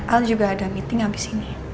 al juga ada meeting habis ini